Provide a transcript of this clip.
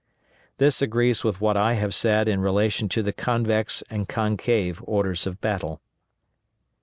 This agrees with what I have said in relation to the convex and concave orders of battle.